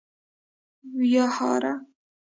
ويهاره